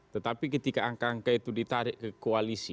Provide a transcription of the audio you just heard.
tetapi ketika angka angka itu ditarik ke koalisi